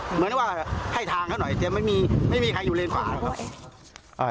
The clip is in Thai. เหมือนว่าให้ทางเขาหน่อยเดี๋ยวไม่มีใครอยู่เลนขวา